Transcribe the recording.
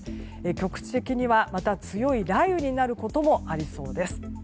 局地的にはまた強い雷雨になることもありそうです。